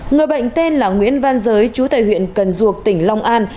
người bệnh tên là nguyễn văn giới chú tại huyện cần duộc tỉnh long an